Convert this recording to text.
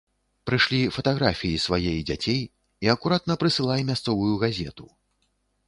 Прышлі фатаграфіі свае і дзяцей і акуратна прысылай мясцовую газету.